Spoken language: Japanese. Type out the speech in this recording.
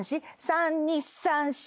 ３・２・３・４。